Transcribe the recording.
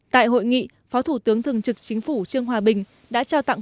tại hội nghị phó thủ tướng thường trực chính phủ trương hòa bình đã trao tặng